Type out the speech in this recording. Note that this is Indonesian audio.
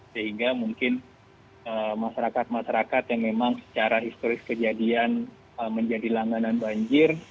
sehingga mungkin masyarakat masyarakat yang memang secara historis kejadian menjadi langganan banjir